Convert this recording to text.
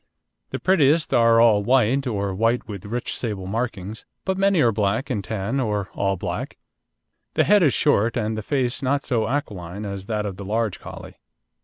The prettiest are all white, or white with rich sable markings, but many are black and tan or all black. The head is short and the face not so aquiline as that of the large Collie.